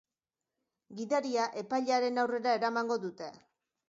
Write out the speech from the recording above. Gidaria epailearen aurrera eramango dute.